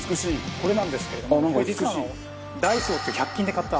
これなんですけれどもこれ実はダイソーって１００均で買った。